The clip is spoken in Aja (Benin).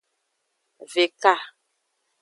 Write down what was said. Veka.